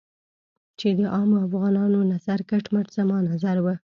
چې د عامو افغانانو نظر کټ مټ زما نظر و.